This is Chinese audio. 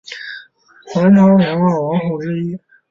南朝梁二王后之一。